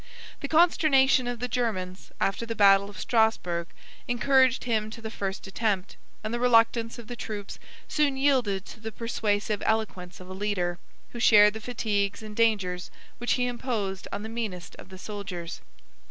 85 The consternation of the Germans, after the battle of Strasburgh, encouraged him to the first attempt; and the reluctance of the troops soon yielded to the persuasive eloquence of a leader, who shared the fatigues and dangers which he imposed on the meanest of the soldiers.